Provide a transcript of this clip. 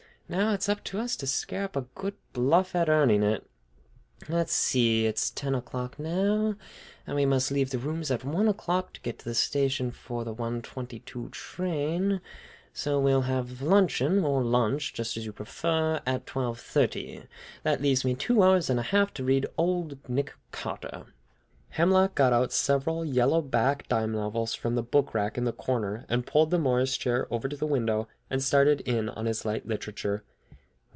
"Now it's up to us to scare up a good bluff at earning it! Let's see, it's ten o'clock now, and we must leave the rooms at one o'clock to get to the station for the one twenty two train. So we'll have luncheon, or lunch, just as you prefer, at twelve thirty. That leaves me two hours and a half to read 'Old Nick Carter.'" Hemlock got out several yellow back dime novels from the book rack in the corner, pulled the Morris chair over to the window, and started in on his light literature.